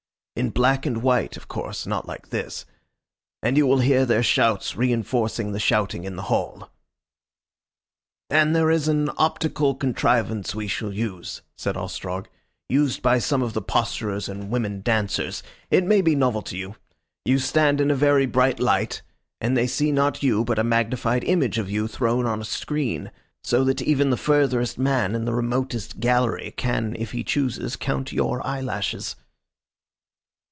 In black and white, of course not like this. And you will hear their shouts reinforcing the shouting in the hall. "And there is an optical contrivance we shall use," said Ostrog, "used by some of the posturers and women dancers. It may be novel to you. You stand in a very bright light, and they see not you but a magnified image of you thrown on a screen so that even the furtherest man in the remotest gallery can, if he chooses, count your eyelashes."